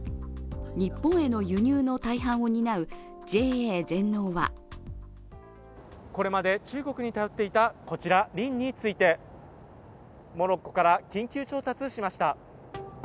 日本への輸入の大半を担うＪＡ全農はこれまで中国に頼っていたこちら、リンについてモロッコから緊急調達しました。